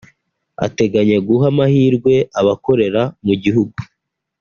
ateganya guha amahirwe abakorera mu gihugu